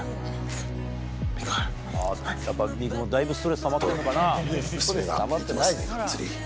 やっぱミクもだいぶストレスたまってんのかな？